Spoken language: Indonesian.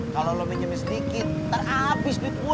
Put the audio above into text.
kalau lo pinjemin sedikit nanti habis duit gue